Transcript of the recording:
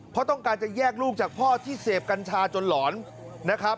เพราะต้องการจะแยกลูกจากพ่อที่เสพกัญชาจนหลอนนะครับ